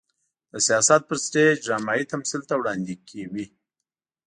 د سياست پر سټېج ډرامايي تمثيل ته وړاندې کوي.